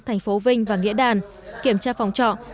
thành phố vinh và nghĩa đàn kiểm tra phòng trọ